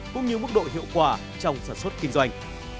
cũng như mức độ hiệu quả trong sản xuất kinh doanh